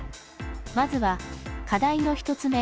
まずは課題の１つ目